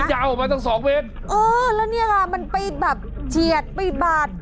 ยาวออกมาตั้งสองเมตรเออแล้วเนี่ยค่ะมันไปแบบเฉียดไปบาด